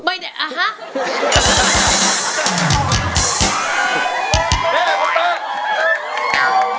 มันจะอ่าฮะ